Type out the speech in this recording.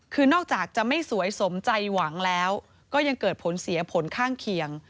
คือนอกจากจะไม่สวยสมใจหวังแล้วก็ยังเกิดผลเสียผลข้างเคียง